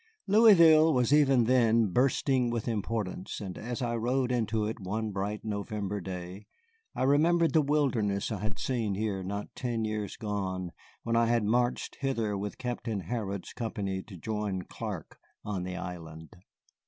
Louisville was even then bursting with importance, and as I rode into it, one bright November day, I remembered the wilderness I had seen here not ten years gone when I had marched hither with Captain Harrod's company to join Clark on the island.